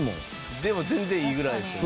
でも全然いいぐらいですよね。